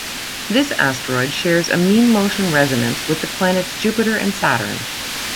This asteroid shares a mean-motion resonance with the planets Jupiter and Saturn.